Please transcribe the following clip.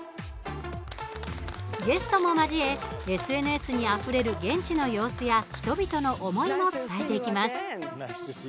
ゲストも交えＳＮＳにあふれる現地の様子や人々の思いも伝えていきます。